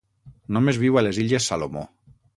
Només viu a les illes Salomó.